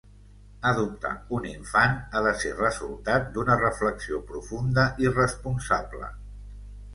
Adoptar un infant ha de ser resultat d'una reflexió profunda i responsable.